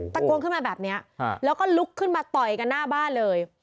ตะโกนขึ้นมาแบบนี้แล้วก็ลุกขึ้นมาต่อยกันหน้าบ้านเลย